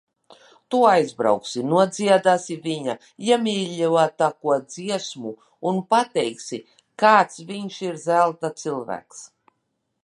Tu aizbrauksi, nodziedāsi viņa iemīļotāko dziesmu un pateiksi, kāds viņš ir zelta cilvēks.